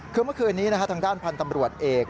คือเมื่อคืนนี้ทางด้านพันธ์ตำรวจเอก